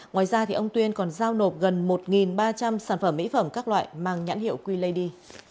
ngoài ra ông tuyên còn giao nộp gần một ba trăm linh sản phẩm mỹ phẩm các loại mang nhãn hiệu qleydy